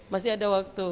masih ada waktu ya